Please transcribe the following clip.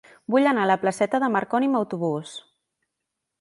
Vull anar a la placeta de Marconi amb autobús.